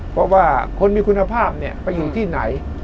เพราะว่าคนมีคุณภาพไปอยู่ที่ไหน